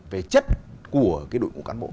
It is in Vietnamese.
về chất của cái đội ngũ cán bộ